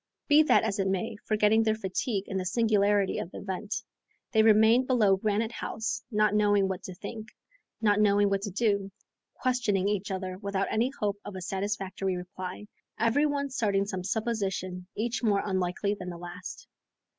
Be that as it may, forgetting their fatigue in the singularity of the event, they remained below Granite House, not knowing what to think, not knowing what to do, questioning each other without any hope of a satisfactory reply, every one starting some supposition each more unlikely than the last.